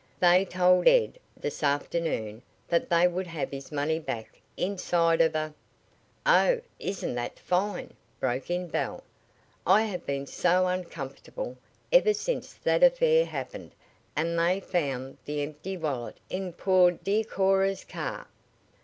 They told Ed this afternoon that they would have his money back inside of a " "Oh, isn't that fine!" broke in Belle. "I have been so uncomfortable ever since that affair happened and they found the empty wallet in poor, dear Cora's car.